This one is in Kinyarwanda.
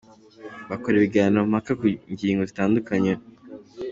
Bakora ibiganiro mpaka ku ngingo zitandukanye.